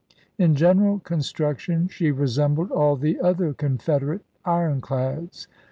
In general construction she resembled all the other Confederate ironclads.